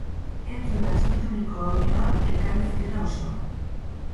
Entzun atxikituriko audioan elkarriuzketa osoa!